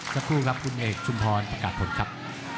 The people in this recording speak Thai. สักครู่ครับคุณเอกชุมพรประกาศผลครับ